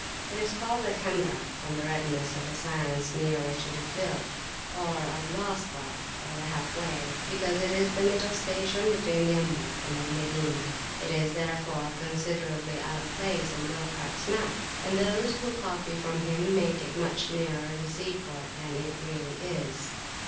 It is called Al Hamra, from the redness of the sands near which it is built, or Al Wasitah, the "half way," because it is the middle station between Yambu' and Al Madinah. It is therefore considerably out of place in Burckhardt's map; and those who copy from him make it much nearer the sea port than it really is.